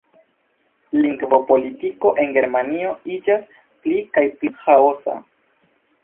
Lingvopolitiko en Germanio iĝas pli kaj pli ĥaosa.